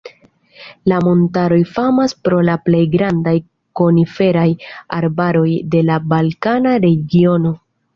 La montaroj famas pro la plej grandaj koniferaj arbaroj de la balkana regiono.